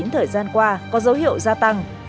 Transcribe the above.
thời gian qua có dấu hiệu gia tăng